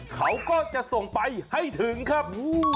เขาก็จะส่งไปให้ถึงครับ